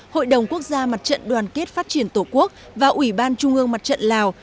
hội đồng quốc gia mặt trận đoàn kết phát triển tổ quốc và ủy ban trung ương mặt trận lào